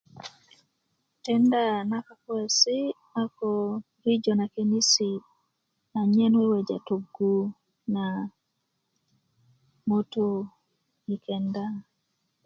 tinda na kukuwesi' a ko rijö na könisi anyen weweja' togö na ŋutu i kenda